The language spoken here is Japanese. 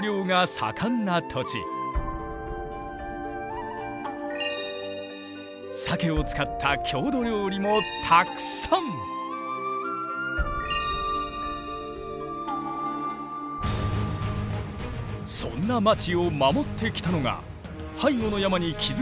そんな町を守ってきたのが背後の山に築かれた村上城だ。